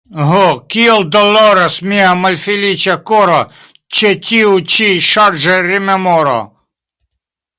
Ho, kiel doloras mia malfeliĉa koro ĉe tiu ĉi ŝarĝa rememoro!